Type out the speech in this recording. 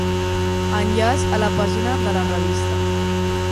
Enllaç a la pàgina de la revista.